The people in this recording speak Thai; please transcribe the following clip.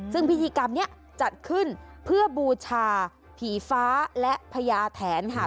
ซึ่งพิธีกรรมนี้จัดขึ้นเพื่อบูชาผีฟ้าและพญาแถนค่ะ